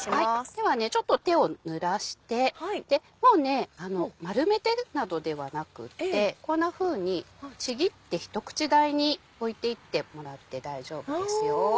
ではちょっと手をぬらしてもうね丸めてなどではなくってこんなふうにちぎって一口大に置いていってもらって大丈夫です。